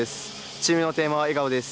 チームのテーマは、笑顔です。